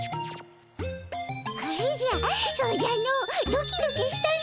おじゃそうじゃのドキドキしたの。